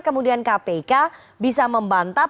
kemudian kpk bisa membantah